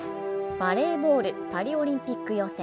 バレーボール・パリオリンピック予選。